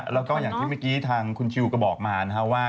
แล้วก็อย่างที่เมื่อกี้ทางคุณชิวก็บอกมานะครับว่า